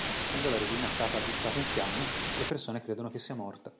Essendo la regina stata avvistata in fiamme, le persone credono che sia morta.